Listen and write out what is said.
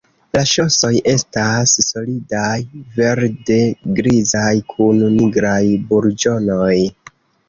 La ŝosoj estas solidaj, verde-grizaj, kun nigraj burĝonoj.